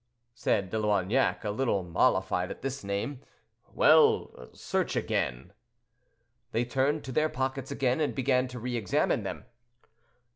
said De Loignac, a little mollified at this name, "well, search again." They turned to their pockets again, and began to re examine them.